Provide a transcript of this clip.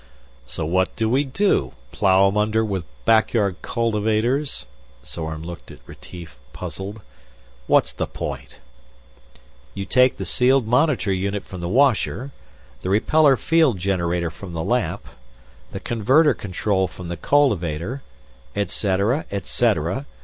"So what do we do plow 'em under with back yard cultivators?" Zorn looked at Retief, puzzled. "What's the point?" "You take the sealed monitor unit from the washer, the repeller field generator from the lamp, the converter control from the cultivator, et cetera, et cetera.